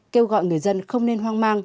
kêu gọi người dân không nên hoang mang